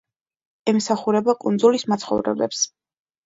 ემსახურება კუნძულის მაცხოვრებლებს.